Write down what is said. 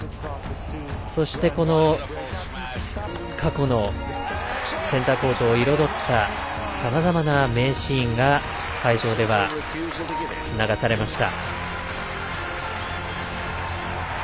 そして、過去のセンターコートを彩ったさまざまな名シーンが会場では流されました。